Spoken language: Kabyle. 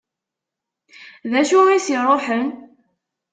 D acu i s-iruḥen?